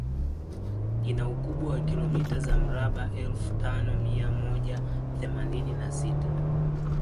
Ina ukubwa wa kilomita za mraba elfu tano mia moja themanini na sita